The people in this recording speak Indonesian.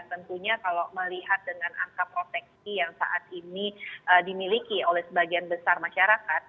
tentunya kalau melihat dengan angka proteksi yang saat ini dimiliki oleh sebagian besar masyarakat